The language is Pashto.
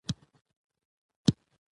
عامو خلکو ته یې آثار ورسېدل.